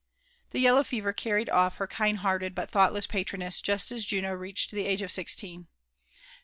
The yeHow ^ever earried* off her ]iind 4ieai>ted but Iheughtlesi^ patroness just as Juno reached the age of sixteen.